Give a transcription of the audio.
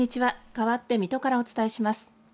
かわって水戸からお伝えします。